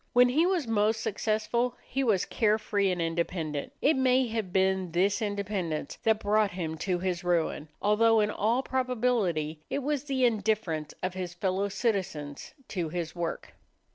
When he was most successful he was carefree and independent. It may have been this independence that brought him to his ruin although in all probability it was the indifference of his fellow citizens to his work.